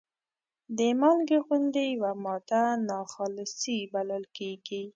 د مالګې غوندې یوه ماده ناخالصې بلل کیږي.